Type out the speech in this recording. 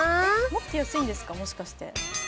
もっと安いんですか、もしかして。